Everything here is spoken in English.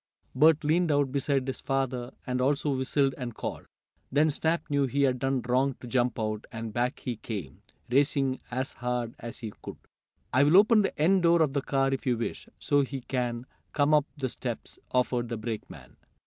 Bert leaned out beside his father, and also whistled and called. Then Snap knew he had done wrong to jump out, and back he came, racing as hard as he could. "I'll open the end door of the car if you wish, so he can come up the steps," offered the brakeman.